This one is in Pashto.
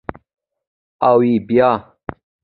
_اوبيا؟